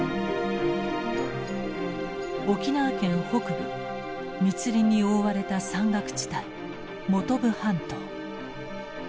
沖縄県北部密林に覆われた山岳地帯本部半島。